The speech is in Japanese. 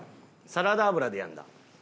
サラダ油でやるんだ。